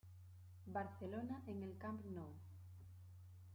Barcelona en el Camp Nou.